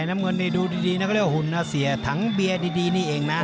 น้ำเงินนี่ดูดีนะเขาเรียกว่าหุ่นนาเสียถังเบียร์ดีนี่เองนะ